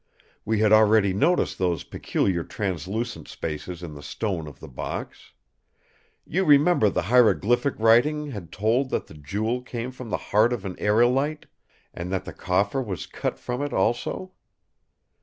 We had already noticed those peculiar translucent spaces in the stone of the box. You remember the hieroglyphic writing had told that the jewel came from the heart of an aerolite, and that the coffer was cut from it also.